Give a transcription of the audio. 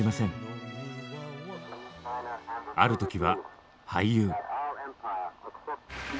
ある時は俳優。